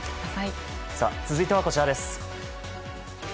続いてはこちらです。